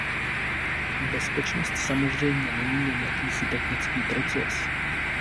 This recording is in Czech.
Bezpečnost samozřejmě není jen jakýsi technický proces.